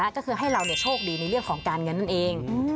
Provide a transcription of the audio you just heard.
ก็คือให้เราโชคดีในเรื่องของการเงินนั่นเอง